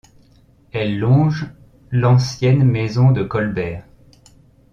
Elle longe ll'ancienne maison de Colbert.